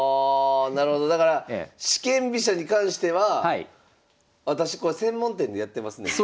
なるほどだから四間飛車に関しては私専門店でやってますんでと。